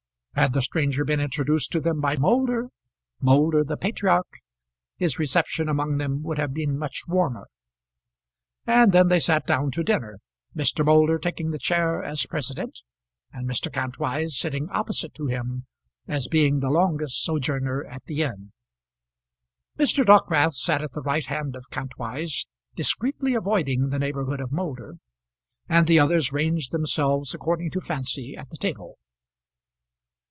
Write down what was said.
Had the stranger been introduced to them by Moulder, Moulder the patriarch, his reception among them would have been much warmer. And then they sat down to dinner, Mr. Moulder taking the chair as president, and Mr. Kantwise sitting opposite to him, as being the longest sojourner at the inn. Mr. Dockwrath sat at the right hand of Kantwise, discreetly avoiding the neighbourhood of Moulder, and the others ranged themselves according to fancy at the table.